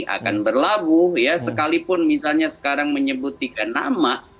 akan berlabuh ya sekalipun misalnya sekarang menyebut tiga nama